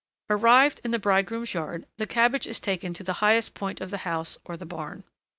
Arrived in the bridegroom's yard, the cabbage is taken to the highest point of the house or the barn.